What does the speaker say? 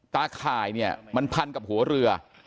ข่ายเนี่ยมันพันกับหัวเรือ